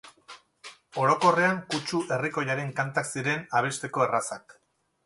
Orokorrean, kutsu herrikoiaren kantak ziren, abesteko errazak.